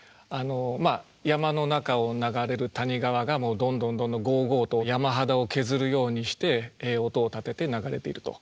まあ山の中を流れる谷川がもうどんどんどんどんごうごうと山肌を削るようにして音を立てて流れていると。